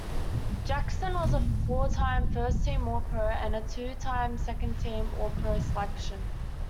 Jackson was a four-time first-team All-Pro and a two-time second-team All-Pro selection.